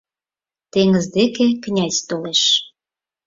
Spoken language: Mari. Теҥыз деке князь толеш